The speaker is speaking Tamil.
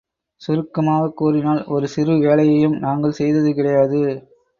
சுருக்கமாகக் கூறினால் ஒரு சிறு வேலையையும் நாங்கள் செய்தது கிடையாது.